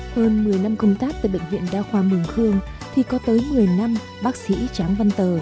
hơn một mươi năm công tác tại bệnh viện đa khoa mường khương thì có tới một mươi năm bác sĩ tráng văn tờ